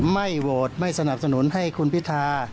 ไม่โหวตไม่สนับสนุนให้คุณพิธา